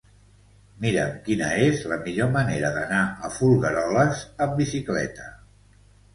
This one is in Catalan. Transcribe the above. Mira'm quina és la millor manera d'anar a Folgueroles amb bicicleta.